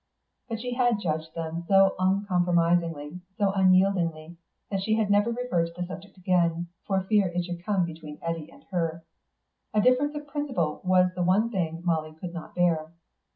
But she had judged them so uncompromisingly, so unyieldingly, that she had never referred to the subject again, for fear it should come between Eddy and her. A difference of principle was the one thing Molly could not bear.